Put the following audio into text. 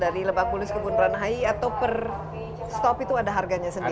dari lebak bulus ke bundaran hi atau per stop itu ada harganya sendiri